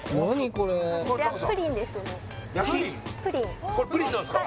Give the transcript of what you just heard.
これこれプリンなんすか？